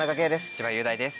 千葉雄大です。